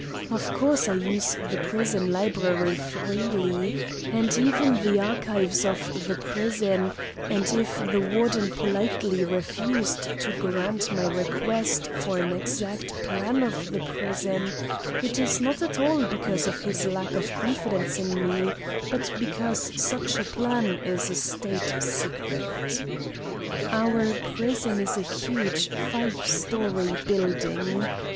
Of course I use the prison library freely, and even the archives of the prison; and if the Warden politely refused to grant my request for an exact plan of the prison, it is not at all because of his lack of confidence in me, but because such a plan is a state secret.... Our prison is a huge five story building.